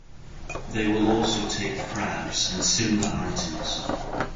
They will also take crabs and similar items.